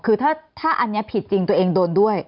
คือถ้าอันนี้ผิดจริงตัวเองโดนด้วย